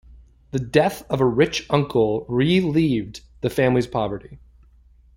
The death of a rich uncle relieved the family's poverty.